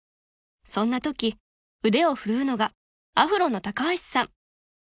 ［そんなとき腕を振るうのがアフロの高橋さん］